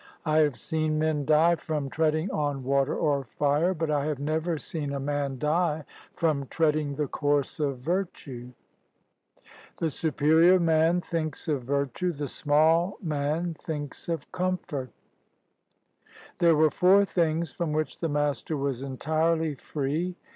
I have seen men die from treading on water or fire, but I have never seen a man die from treading the course of virtue." 23 CHINA The superior man thinks of virtue; the small man thinks of comfort. There were four things from which the Master was entirely free.